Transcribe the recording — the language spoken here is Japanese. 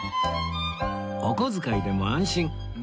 お小遣いでも安心